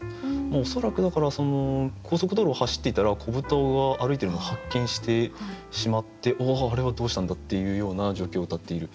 恐らくだから高速道路を走っていたら小豚が歩いてるのを発見してしまって「おおあれはどうしたんだ」っていうような状況をうたっている。